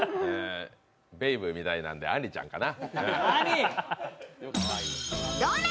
ベイブみたいなんで、あんりちゃんかな。